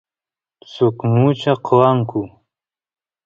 suk mucha qoanku